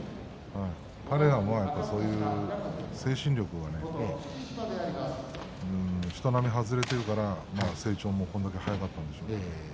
彼は、そういう精神力は人並み外れているから成長もこんなに早かったんですよ。